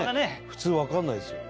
普通わからないですよ。